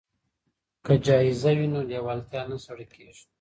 که جایزه وي نو لیوالتیا نه سړه کیږي.